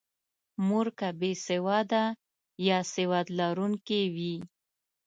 مور که بې سواده یا سواد لرونکې وي.